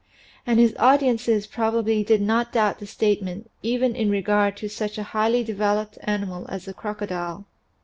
And his audiences probably did not doubt the state ment even in regard to such a highly developed animal as the crocodile.